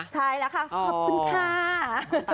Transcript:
ใช่แล้วค่ะขอบคุณค่ะ